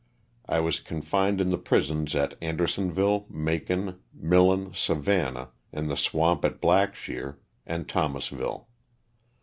I was confined in the prisons at Andersonville, Macon, Millen, Savannah, in the swamp at Blackshear, and Thomasville.